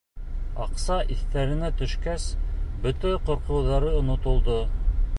Аҡса иҫтәренә төшкәс, бөтә ҡурҡыуҙары онотолдо.